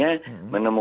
dan itu juga menjadi